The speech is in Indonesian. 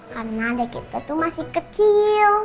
karena adik kita tuh masih kecil